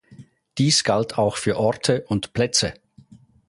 Dies galt auch für Orte und Plätze.